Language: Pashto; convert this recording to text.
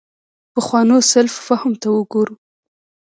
پخوانو سلف فهم ته وګورو.